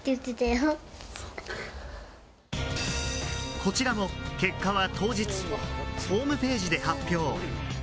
こちらも結果は当日、ホームページで発表。